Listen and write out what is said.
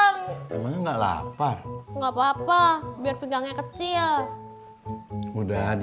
nih gue bawain nasi uduk